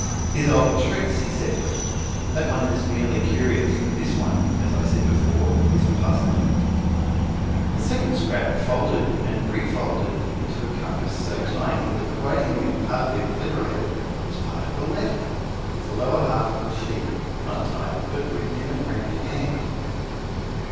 "His old tricks," he said. "That one is merely curious; this one, as I said before, is puzzling." The second scrap, folded and refolded into a compass so tiny that the writing had been partly obliterated, was part of a letter—the lower half of a sheet, not typed, but written in a cramped hand.